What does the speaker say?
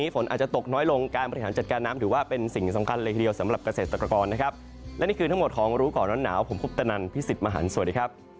โปรดติดตามตอนต่อไป